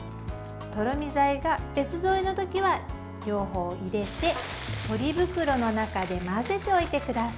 とろみ材が別添えの時は両方入れて、ポリ袋の中で混ぜておいてください。